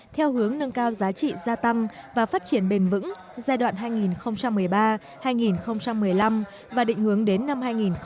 theo hướng nâng cao giá trị gia tăng và phát triển bền vững giai đoạn hai nghìn một mươi ba hai nghìn một mươi năm và định hướng đến năm hai nghìn hai mươi